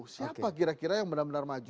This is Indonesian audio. siapa kira kira yang benar benar maju